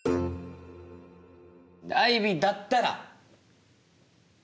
アイビーだったら。